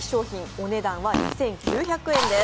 お値段は２９００円です。